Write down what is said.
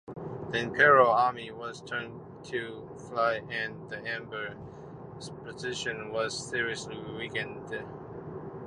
The imperial army was turned to flight and the Emperor's position was seriously weakened.